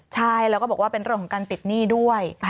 ใช่แล้วก็บอกว่าเป็นเรื่องของการติดหนี้ด้วย